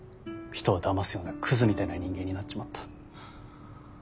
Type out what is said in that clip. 人をだますようなクズみたいな人間になっちまった。